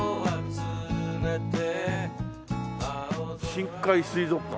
「深海水族館」